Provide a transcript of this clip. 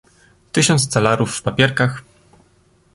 "Tysiąc talarów w papierkach!"